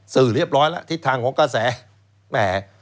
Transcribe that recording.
สื่อเรียบร้อยแล้วทิศทางของกระแสแหม